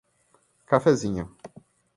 Cafézinho